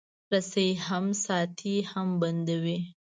رسۍ هم ساتي، هم بندوي.